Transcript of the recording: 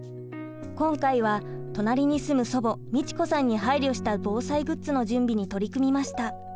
今回は隣に住む祖母美智子さんに配慮した防災グッズの準備に取り組みました。